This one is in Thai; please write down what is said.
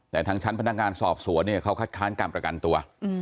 แต่ทางชั้นพนักงานสอบสวนเนี่ยเขาคัดค้านการประกันตัว